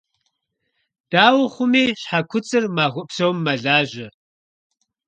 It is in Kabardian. Дауэ хъуми щхьэ куцӀыр махуэ псом мэлажьэ.